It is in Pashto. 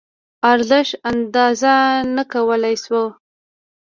ارزش اندازه نه کولی شو.